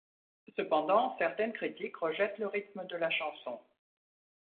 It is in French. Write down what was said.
Cependant, certaines critiques rejettent le rythme de la chanson.